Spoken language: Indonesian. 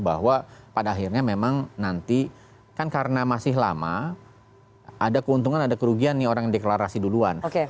bahwa pada akhirnya memang nanti kan karena masih lama ada keuntungan ada kerugian nih orang yang deklarasi duluan